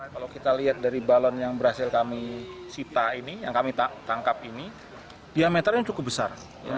kalau kita lihat dari balon yang berhasil kami sita ini yang kami tangkap ini diameternya cukup besar